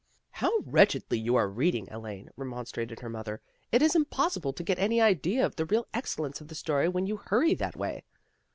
" How wretchedly you are reading, Elaine," remonstrated her mother. " It is impossible to get any idea of the real excellence of the story when you hurry that way."